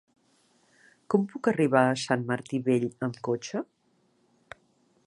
Com puc arribar a Sant Martí Vell amb cotxe?